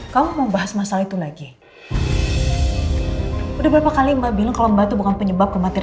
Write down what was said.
kamu membahas masalah itu lagi udah berpakaian mbak bilang kalau mbak itu bukan penyebab kematian